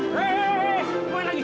dah setengah gaya